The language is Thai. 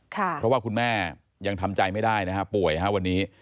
เพราะว่าคุณแม่ยังทำใจไม่ได้นะฮะป่วยฮะวันนี้